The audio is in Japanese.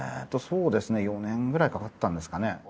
そうですね４年ぐらいかかったんですかね。